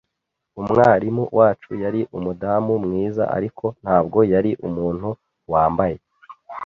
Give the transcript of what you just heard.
Umwarimu wacu yari umudamu mwiza, ariko ntabwo yari umuntu wambaye.